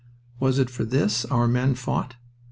Was it for this our men fought?